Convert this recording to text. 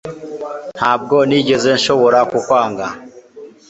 Ntabwo nigeze nshobora kukwanga